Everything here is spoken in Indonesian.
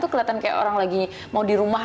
kelihatan kayak orang lagi mau di rumah